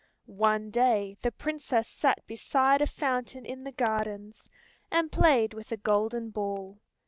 One day the Princess sat beside a fountain in the gardens, and played with a golden ball.